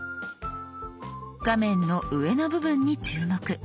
画面の上の部分に注目。